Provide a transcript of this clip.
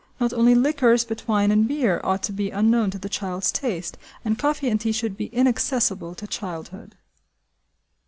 Not only liquors, but wine and beer, ought to be unknown to the child's taste, and coffee and tea should be inaccessible to childhood.